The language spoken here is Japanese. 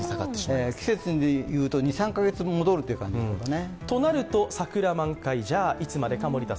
季節で言うと２３か月分戻るという感じですかね。